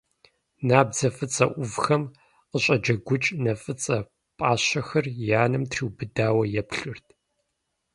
Набдзэ фӀыцӀэ Ӏувхэм къыщӀэджэгукӀ нэ фӀыцӀэ пӀащэхэр и анэм триубыдауэ еплъырт.